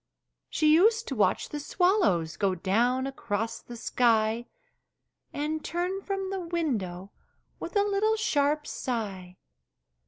She used to watch the swallows Go down across the sky, And turn from the window With a little sharp sigh.